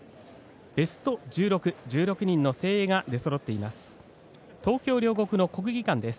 ベスト１６、１６人の精鋭が出そろっています。